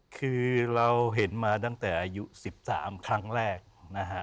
คือเราเห็นมาตั้งแต่อายุ๑๓ครั้งแรกนะฮะ